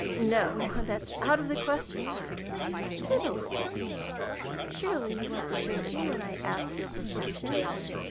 "No; that's out of the question." "Fiddlestick! Surely you won't desert me when I ask your protection?